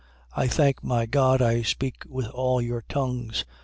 I thank my God I speak with all your tongues.